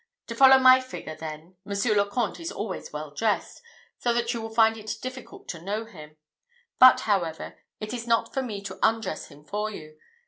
To follow my figure, then, Monsieur le Comte is always well dressed, so that you will find it difficult to know him; but, however, it is not for me to undress him for you.